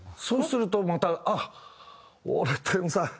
そうするとまたあっ俺天才。